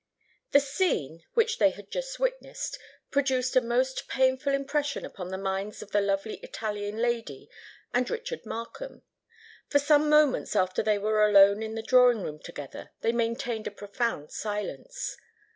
The scene, which they had just witnessed, produced a most painful impression upon the minds of the lovely Italian lady and Richard Markham. For some moments after they were alone in the drawing room together, they maintained a profound silence.